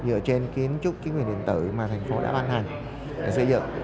dựa trên kiến trúc kiến quyền điện tử mà tp hcm đã ban hành để xây dựng